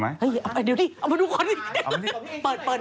๙หรือ๖อีกอย่างนึง